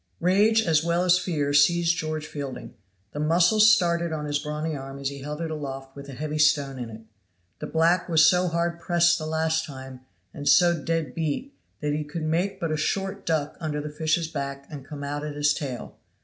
Rage as well as fear seized George Fielding, the muscles started on his brawny arm as he held it aloft with a heavy stone in it. The black was so hard pressed the last time, and so dead beat, that he could make but a short duck under the fish's back and come out at his tail.